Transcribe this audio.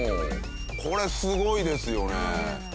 これすごいですよね。